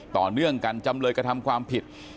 ต่อเนื่องกันจำเลยกระทำความผิด